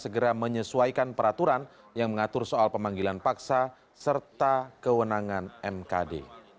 segera menyesuaikan peraturan yang mengatur soal pemanggilan paksa serta kewenangan mkd